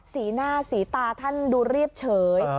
สีหน้าสีตาท่านดูเรียบเฉย